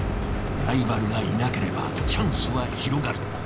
ライバルがいなければチャンスは広がる！